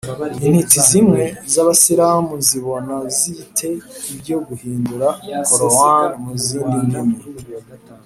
intiti zimwe z’abisilamu zibona zite ibyo guhindura korowani mu zindi ndimi?